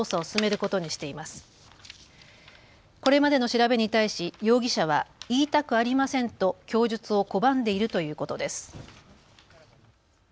これまでの調べに対し容疑者は言いたくありませんと供述を拒んでいるということです。